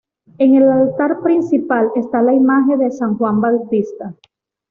En el altar principal está la imagen de San Juan Bautista.